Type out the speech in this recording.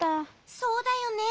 そうだよね。